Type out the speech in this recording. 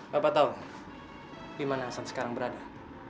bapak tahu di mana hasan sekarang berada